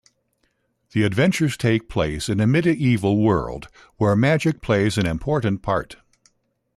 The adventures take place in a medieval world where magic plays an important part.